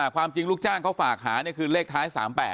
ความจริงลูกจ้างเขาฝากหาคือเลขท้าย๓๘